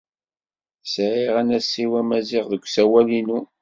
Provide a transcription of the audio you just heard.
Sɛiɣ anasiw amaziɣ deg usawal-inu.